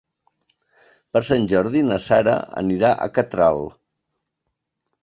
Per Sant Jordi na Sara anirà a Catral.